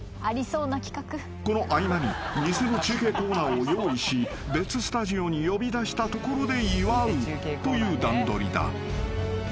［この合間に偽の中継コーナーを用意し別スタジオに呼び出したところで祝うという段取りだ］